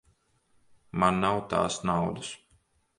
Man nav tās naudas.